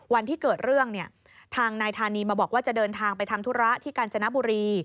วันที่เกิดเรื่องเนี่ยทางนายธานีมาบอกว่าจะเดินทางไปทำธุระที่กาญจนบุรี